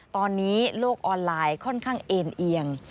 ตอนนี้โลกออนไลน์ค่อนข้างเอ็นเอียง